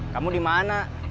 kamu di mana